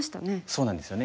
そうなんですよね。